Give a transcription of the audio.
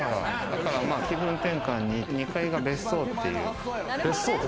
だから、気分展開に２階が別荘っていう。